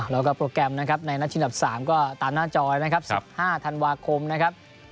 แล้วก็โปรแกรมนะครับในนัดชิงดับ๓ก็ตามหน้าจอนะครับ๑๕ธันวาคมนะครับ